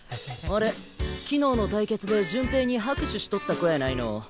あれ昨日の対決で潤平に拍手しとった子やないの。